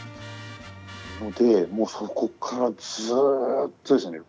のでもうそこからずっとですね。